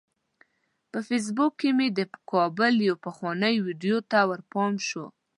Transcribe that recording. په فیسبوک کې مې د کابل یوې پخوانۍ ویډیو ته ورپام شو.